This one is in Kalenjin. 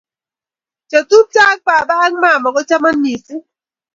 chetupcho ak baba ak mama kochaman mising